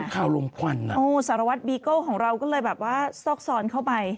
สารวัตรบีเกิ้ลของเราก็เลยซอกซอนเข้าไป